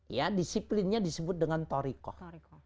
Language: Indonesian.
ya disiplinnya disebut dengan torikoh